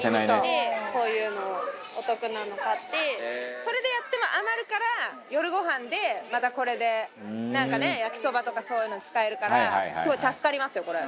それでやっても余るから夜ごはんでまたこれでなんかね焼きそばとかそういうのに使えるからすごい助かりますよこれ。